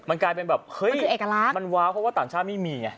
มันกลายเป็นแบบเฮ้ยมันว้าวเพราะว่าต่างชาติไม่มีไง